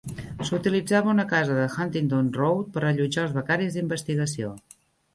S'utilitzava una casa de Huntingdon Road per allotjar als becaris d'investigació.